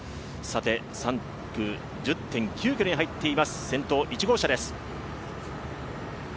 ３区１０．９ｋｍに入っています先頭１号車です。